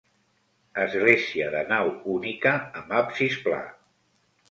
Església de nau única amb absis pla.